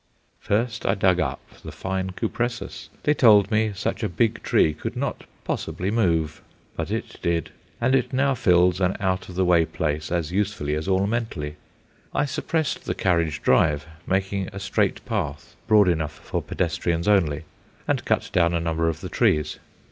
First I dug up the fine Cupressus. They told me such a big tree could not possibly "move;" but it did, and it now fills an out of the way place as usefully as ornamentally. I suppressed the carriage drive, making a straight path broad enough for pedestrians only, and cut down a number of the trees.